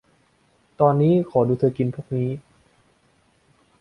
ตอนนี้ขอดูเธอกินพวกนี้